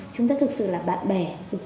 chúng ta thực sự là bạn bè